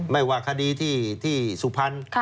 ไม่ว่าคดีที่สุพรรณ